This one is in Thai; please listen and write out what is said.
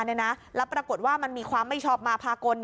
แล้วปรากฏว่ามันมีความไม่ชอบมาพากล